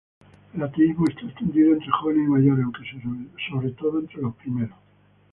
El ateísmo está extendido entre jóvenes y mayores, aunque sobre todo entre los primeros.